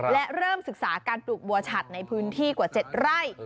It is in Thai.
และเริ่มศึกษาการปลูกบัวฉัดในพื้นที่กว่า๗ไร่